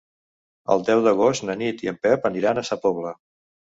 El deu d'agost na Nit i en Pep aniran a Sa Pobla.